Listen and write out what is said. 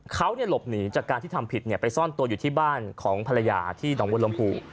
เขาหลบหนีจากการที่ทำผิดไปซ่อนตัวอยู่ที่บ้านของภรรยาที่หนองบนลมภู